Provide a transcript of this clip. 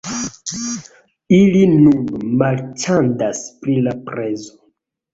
Ili nun marĉandas pri la prezo